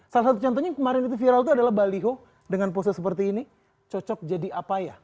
salah satu contohnya yang kemarin itu viral itu adalah baliho dengan pose seperti ini cocok jadi apa ya